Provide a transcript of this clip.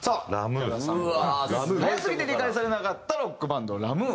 早すぎて理解されなかったロックバンドラ・ムー。